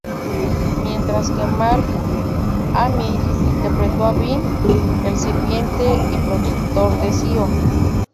Mientras que Mark Hamill interpretó a Bin, el sirviente y protector de Sio.